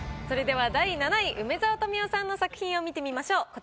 それでは第７位梅沢富美男さんの作品を見てみましょう。